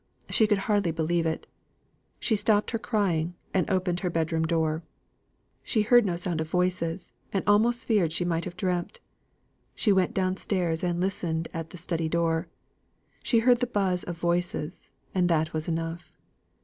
She could hardly believe it. She stopped her crying, and opened her bedroom door. She heard no sound of voices, and almost feared she might have dreamt. She went down stairs, and listened at the study door. She heard the buzz of voices; and that was enough.